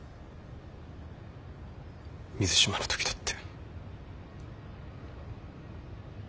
水島の時だって。